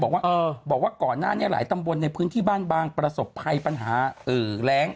บอกว่าบอกว่าก่อนหน้านี้หลายตำบลในพื้นที่บ้านบางประสบภัยปัญหาแรง